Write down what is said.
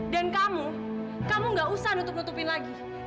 dan kamu kamu tidak usah nutup nutupin lagi